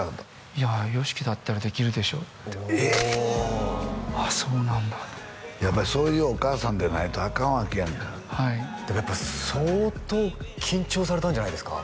いやＹＯＳＨＩＫＩだったらできるでしょってあっそうなんだと思ってやっぱりそういうお母さんでないとアカンわけやんかでもやっぱ相当緊張されたんじゃないですか？